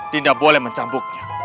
dinda boleh mencambuknya